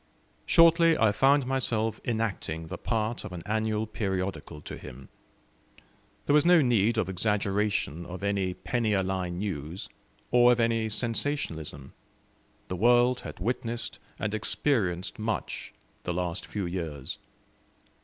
Shortly I found myself enacting the part of an annual periodical to him. There was no need of exaggeration of any penny a line news, or of any sensationalism. The world had witnessed and experienced much the last few years.